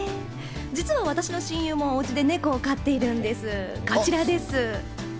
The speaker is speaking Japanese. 実は私の親友もおうちでねこを飼っているんです、こちらです。